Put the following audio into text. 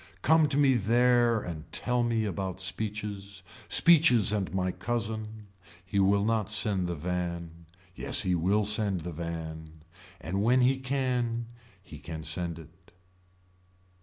Come to me there and tell me about speeches. Speeches and my cousin. He will not send the van. Yes he will send the van. And when he can. He can send it.